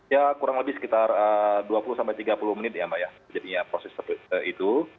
ya kurang lebih sekitar dua puluh sampai tiga puluh menit ya mbak ya jadinya proses itu